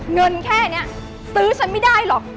เงินแค่นี้ซื้อฉันไม่ได้หรอก